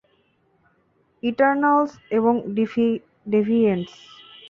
Eternals এবং ডেভিয়েন্টস!